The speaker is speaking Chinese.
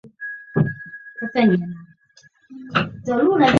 班茂为该镇之首府。